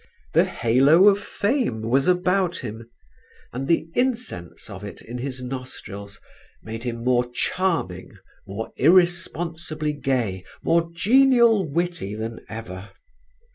The halo of fame was about him, and the incense of it in his nostrils made him more charming, more irresponsibly gay, more genial witty than ever.